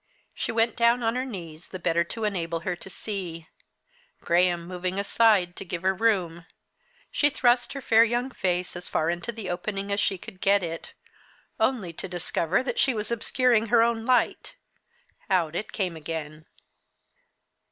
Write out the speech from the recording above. She went down on her knees the better to enable her to see, Graham moving aside to give her room. She thrust her fair young face as far into the opening as she could get it only to discover that she was obscuring her own light. Out it came again.